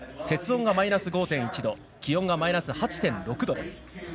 雪温がマイナス５．８度気温がマイナス８．６度です。